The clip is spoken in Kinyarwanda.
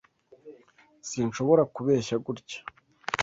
Sinshobora kubeshya gutya.